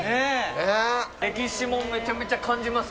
歴史もめちゃめちゃ感じます